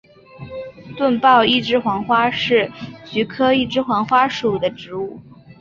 钝苞一枝黄花是菊科一枝黄花属的植物。